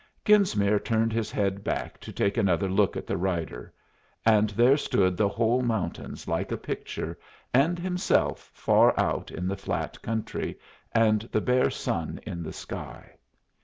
Genesmere turned his head back to take another look at the rider, and there stood the whole mountains like a picture, and himself far out in the flat country, and the bare sun in the sky.